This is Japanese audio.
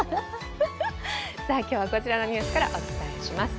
今日はこちらのニュースからお伝えします。